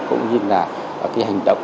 cũng như là hành động